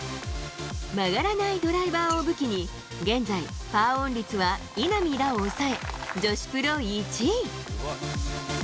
曲がらないドライバーを武器に、現在、パーオン率は稲見らを抑え、女子プロ１位。